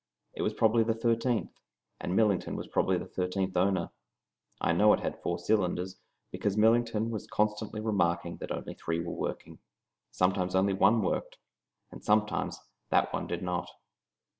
It was probably the thirteenth, and Millington was probably the thirteenth owner. I know it had four cylinders, because Millington was constantly remarking that only three were working. Sometimes only one worked, and sometimes that one did not.